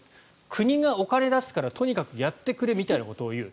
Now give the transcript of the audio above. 国がお金を出すからとにかくやってくれみたいなことを言う。